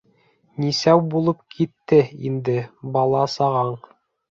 — Нисәү булып китте инде бала-сағаң?